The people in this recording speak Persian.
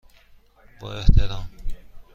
با احترام،